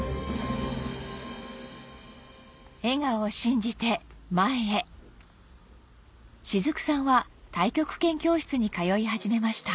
笑顔を信じて前へ雫さんは太極拳教室に通い始めました